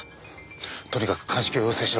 とにかく鑑識を要請しろ。